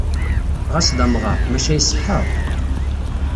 Ɣas d amɣar, maca iṣeḥḥa.